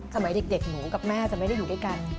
สมัยเด็กหนูกับแม่จะไม่ได้อยู่ด้วยกัน